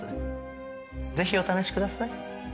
ぜひお試しください。